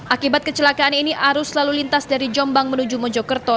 akibat kecelakaan ini arus lalu lintas dari jombang menuju mojokerto